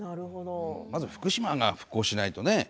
まず福島が復興しないとね